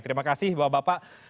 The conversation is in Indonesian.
terima kasih bapak bapak